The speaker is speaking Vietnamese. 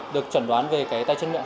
được chuẩn đoán về cái tay chân miệng